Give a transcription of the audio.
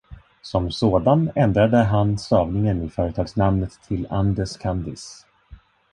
Som sådan, ändrade han stavningen i företagsnamnet till “Andes Candies”.